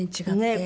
ねえ。